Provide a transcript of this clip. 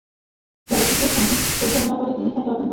চলচ্চিত্রের সঙ্গীত পরিচালনা করে তিনি খ্যাতি অর্জন করেন।